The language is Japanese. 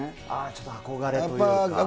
ちょっと憧れというか。